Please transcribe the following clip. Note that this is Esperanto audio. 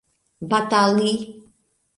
batali